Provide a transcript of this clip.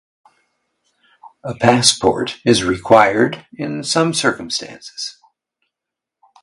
A passport is required in some circumstances.